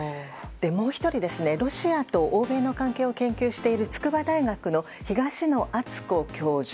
もう１人、ロシアと欧米の関係を研究していらっしゃる筑波大学の東野篤子教授。